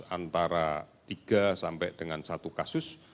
antara tiga sampai dengan satu kasus